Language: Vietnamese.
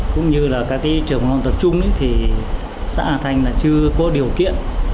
cũng như là các trường mầm non tập trung thì xã hà thành chưa có điều kiện